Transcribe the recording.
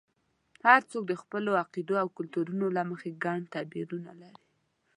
هر څوک د خپلو عقیدو او کلتورونو له مخې ګڼ تعبیرونه لري.